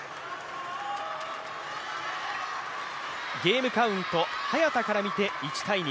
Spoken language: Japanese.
ゲームカウント、早田からみて１−２。